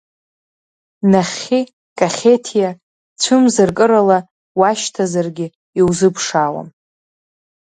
Нахьхьи Кахьеҭиа цәымзаркырала уашьҭазаргьы иузыԥшаауам.